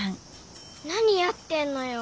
何やってんのよ。